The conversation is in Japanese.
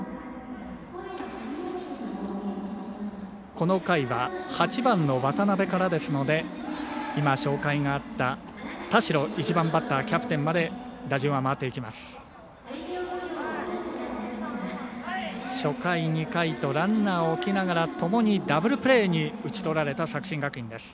この回は８番の渡邊からですので紹介があった田代１番バッター、キャプテンまで打順は回っていきます。